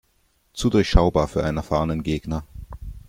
Zu durchschaubar für einen erfahrenen Gegner.